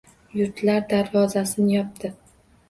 Yurtlar darvozasin yopdi –